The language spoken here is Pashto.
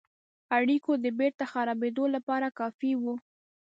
اړېکو د بیرته خرابېدلو لپاره کافي وه.